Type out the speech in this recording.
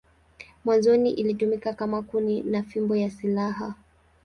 Mwanzoni ilitumiwa kama kuni na fimbo ya silaha.